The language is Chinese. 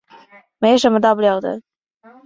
没什么大不了的